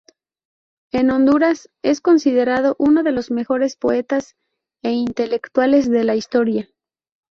En Honduras, es considerado, uno de los mejores poetas e intelectuales de la historia.